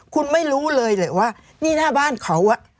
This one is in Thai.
คุณไม่รู้เลยแหละว่านี่หน้าบ้านเขา